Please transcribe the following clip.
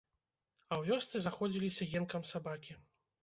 А ў вёсцы заходзіліся енкам сабакі.